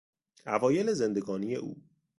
اوایل زندگانی او